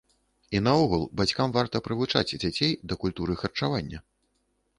І наогул, бацькам варта прывучаць дзяцей да культуры харчавання.